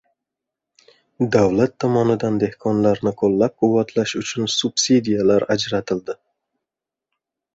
davlat tomonidan dehqonlarni qo‘llabquvvatlash uchun subsidiyalar ajratiladi.